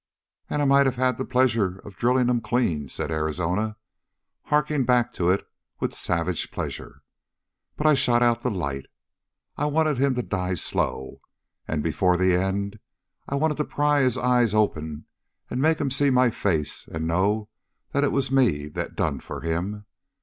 "And I might have had the pleasure of drilling him clean," said Arizona, harking back to it with savage pleasure, "but I shot out the light. I wanted him to die slow, and before the end I wanted to pry his eyes open and make him see my face and know that it was me that done for him!